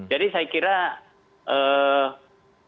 jadi saya kira kita beri waktu dulu lah untuk bekerja